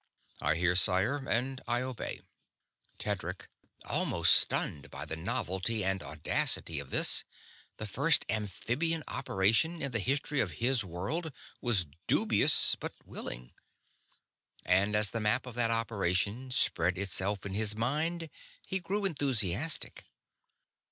"I hear, sire, and I obey." Tedric, almost stunned by the novelty and audacity of this, the first amphibian operation in the history of his world, was dubious but willing. And as the map of that operation spread itself in his mind, he grew enthusiastic.